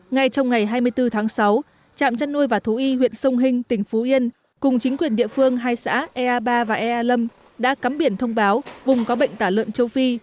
ngay trong ngày hai mươi bốn tháng sáu trạm chăn nuôi và thú y huyện sông hinh tỉnh phú yên cùng chính quyền địa phương hai xã ea ba và ea lâm đã cắm biển thông báo vùng có bệnh tả lợn châu phi